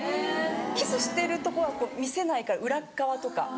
キスしてるとこはこう見せないから裏っ側とか。